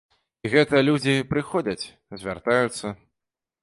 І гэтыя людзі прыходзяць, звяртаюцца.